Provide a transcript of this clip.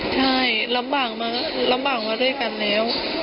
ใช่ลำบากมาด้วยกันแล้ว